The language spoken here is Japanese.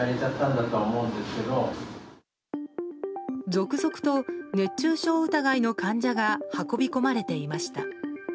続々と、熱中症疑いの患者が運び込まれていました。